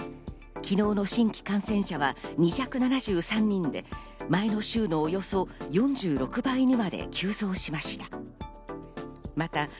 昨日の新規感染者は２７３人で前の週のおよそ４６倍にまで急増しました。